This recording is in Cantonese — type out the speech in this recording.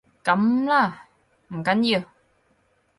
噉啦，唔緊要